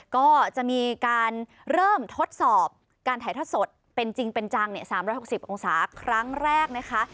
ก็จะมีการเริ่มทดสอบการถ่ายทอดสดเป็นจริงเป็นจัง๓๖๐องศาครั้งแรกนะคะ